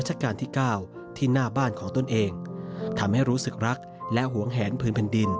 เจริญเล่าถึงความภาคภูมิใจที่ครั้งหนึ่ง